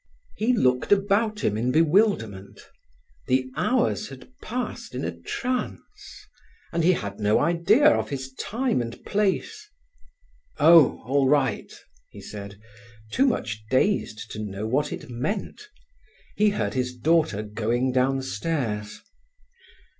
He looked about him in bewilderment; the hours had passed in a trance, and he had no idea of his time or place. "Oh, all right," he said, too much dazed to know what it meant. He heard his daughter going downstairs.